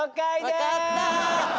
わかった！